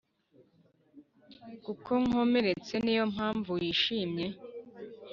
kuko nkomeretse niyo manpamvu wishyimye